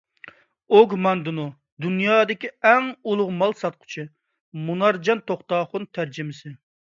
ئوگ ماندىنو: «دۇنيادىكى ئەڭ ئۇلۇغ مال ساتقۇچى»، مۇنارجان توختاخۇن تەرجىمىسى